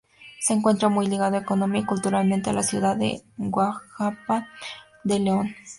Se encuentra muy ligado económica y culturalmente a la ciudad de Huajuapan de León.